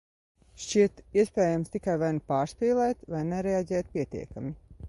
Šķiet, iespējams tikai vai nu pārspīlēt, vai nereaģēt pietiekami.